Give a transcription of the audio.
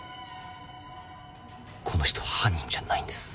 この人犯人じゃないんです。